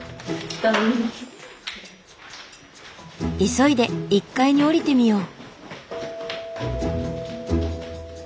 急いで１階に下りてみよう。